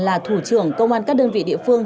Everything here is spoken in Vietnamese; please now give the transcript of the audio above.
là thủ trưởng công an các đơn vị địa phương